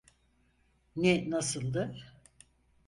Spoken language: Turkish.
Ne nasıldı?